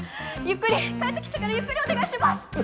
ゆっくり帰ってきてからゆっくりお願いします。